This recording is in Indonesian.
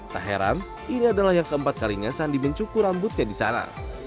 tak heran ini adalah yang keempat kalinya sandi mencukur rambutnya di sana